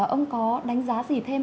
ông có đánh giá gì thêm